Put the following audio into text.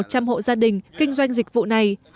một trăm linh hộ gia đình kinh doanh dịch vụ này